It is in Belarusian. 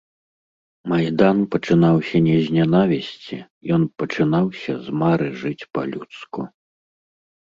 Майдан пачынаўся не з нянавісці, ён пачынаўся з мары жыць па-людску.